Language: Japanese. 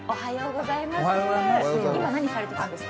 今何されてたんですか？